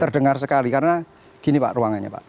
terdengar sekali karena gini pak ruangannya pak